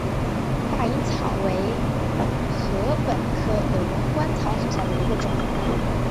大颖草为禾本科鹅观草属下的一个种。